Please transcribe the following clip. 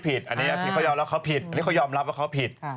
อันนี้เขายอมรับว่าเขาผิด